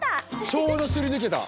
ちょうどすりぬけた。